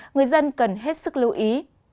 người dân cần hết sức lưu ý